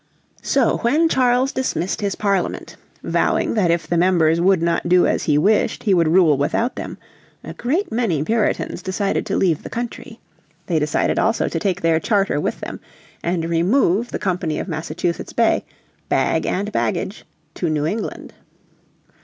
So when Charles dismissed his Parliament, vowing that if the members would not do as he wished he would rule without them, a great many Puritans decided to leave the country. They decided also to take their charter with them and remove the Company of Massachusetts Bay, bag and baggage, to New England.